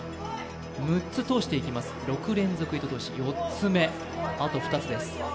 ６つ通していきます、６連続糸通し、４つ目、あと２つです。